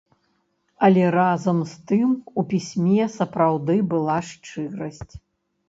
Але разам з тым у пісьме сапраўды была шчырасць.